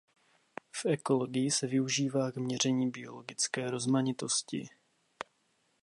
V ekologii se využívá k měření biologické rozmanitosti.